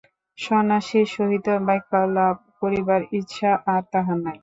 সন্ন্যাসীর সহিত বাক্যালাপ করিবার ইচ্ছা আর তাহার নাই।